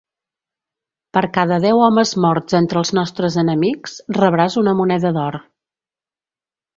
Per cada deu homes morts entre els nostres enemics, rebràs una moneda d'or.